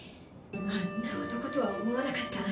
あんな男とは思わなかった！